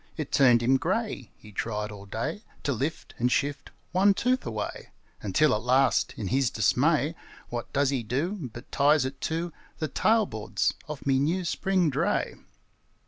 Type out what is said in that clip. It turned him grey: He tried all day To lift And shift One tooth away; Until, at last, in his dismay, What does he do But ties it to The tailboards of me new spring dray.